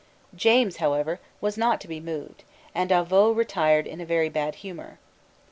James, however, was not to be moved; and Avaux retired in very bad humour.